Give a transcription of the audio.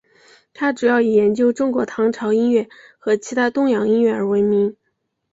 他主要以研究中国唐朝音乐和其他东洋音乐而闻名。